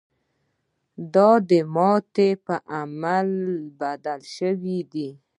دا د ماتې په عامل بدل شوی دی.